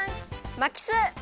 まきす！